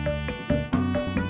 tidak ada yang bisa dihukum